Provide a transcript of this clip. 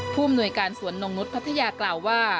ผู้อำนวยการสวนนงนุษย์พัทยากล่าวว่า